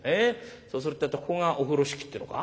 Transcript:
そうするってえとここがお風呂敷ってえのか？